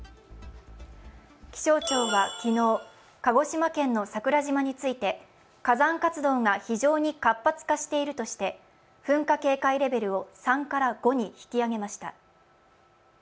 気象庁は昨日鹿児島県の桜島について火山活動が非常に活発化しているとして、噴火警戒レベルを３から５に引き上げました。